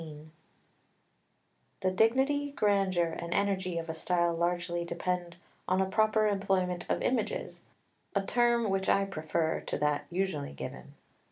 XV The dignity, grandeur, and energy of a style largely depend on a proper employment of images, a term which I prefer to that usually given.